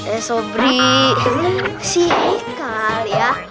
eh sobri sih ini kali ya